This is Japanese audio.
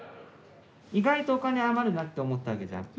意外とお金余るなって思ったわけじゃん。